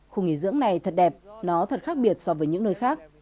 khu nghỉ dưỡng này thật đẹp nó thật khác biệt so với những nơi khác